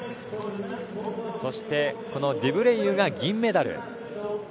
そして、デュブレイユが銀メダル。